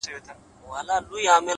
د هر يزيد زړه کي ايله لکه لړم ښه گراني!